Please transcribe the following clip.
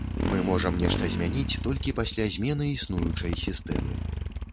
Мы можам нешта змяніць толькі пасля змены існуючай сістэмы.